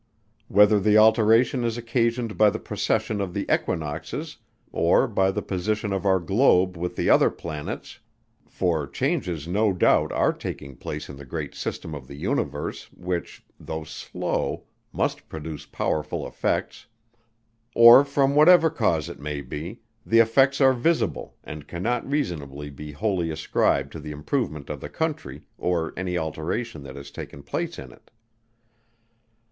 Whether the alteration is occasioned by the precession of the equinoxes, or by the position of our globe with the other planets, (for changes no doubt are taking place in the great system of the universe, which, though slow, must produce powerful effects,) or from whatever cause it may be, the effects are visible, and cannot reasonably be wholly ascribed to the improvement of the country, or any alteration that has taken place in it.